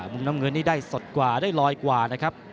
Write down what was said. มุมน้ำเงินนี่ได้สดกว่าได้ลอยกว่านะครับ